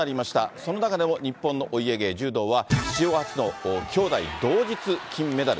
その中でも日本のお家芸、柔道は、史上初の兄妹同日金メダル。